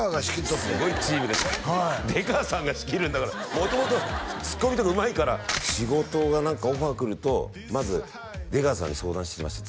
すごいチームでしょ出川さんが仕切るんだから元々ツッコミとかうまいから仕事が何かオファー来るとまず出川さんに相談してました